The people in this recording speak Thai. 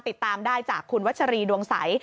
ติดตามได้จากคุณวัชรีดวงใส